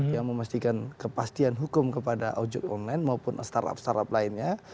yang memastikan kepastian hukum kepada ojek online maupun startup startup lainnya